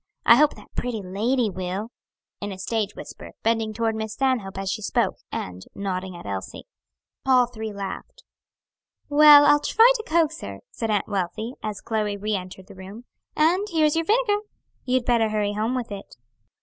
I hope that pretty lady will," in a stage whisper, bending toward Miss Stanhope, as she spoke, and nodding at Elsie. All three laughed. "Well, I'll try to coax her," said Aunt Wealthy, as Chloe re entered the room. "And here's your vinegar. You'd better hurry home with it."